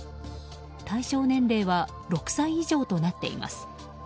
対象年齢は６歳以上となっています。